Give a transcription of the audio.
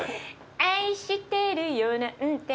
「『愛してるよ』なんて」